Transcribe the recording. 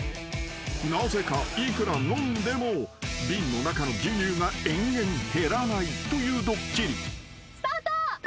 ［なぜかいくら飲んでも瓶の中の牛乳が延々減らないというドッキリ］スタート。